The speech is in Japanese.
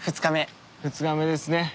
２日目ですね。